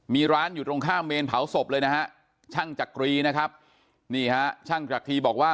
มีร้านอยู่ตรงข้ามเมนเผาศพเลยนะฮะช่างจักรีนะครับนี่ฮะช่างจักรีบอกว่า